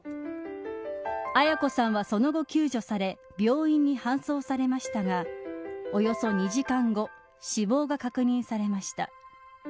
絢子さんはその後救助され病院に搬送されましたがおよそ２時間後死亡が確認されました。